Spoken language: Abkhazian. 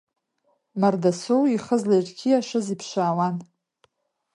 Мардасоу ихы злаирқьиашаз иԥшаауан.